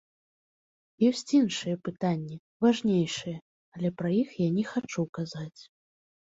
Ёсць іншыя пытанні, важнейшыя, але пра іх я не хачу казаць.